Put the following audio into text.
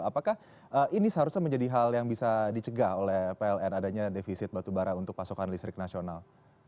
apakah ini seharusnya menjadi hal yang bisa dicegah oleh pln adanya defisit batubara untuk pasokan listrik nasional